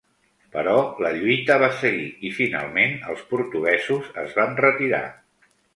Però la lluita va seguir i finalment els portuguesos es van retirar.